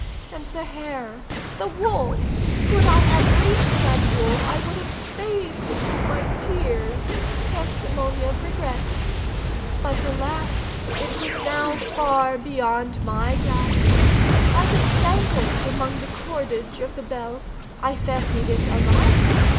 And the hair—the wool! Could I have reached that wool I would have bathed it with my tears, in testimony of regret. But alas! it was now far beyond my grasp. As it dangled among the cordage of the bell, I fancied it alive.